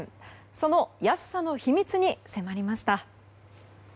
その安さの秘密に迫りました。